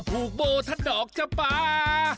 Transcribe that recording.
อ้อพูกโบว์ท่านดอกชะป๊า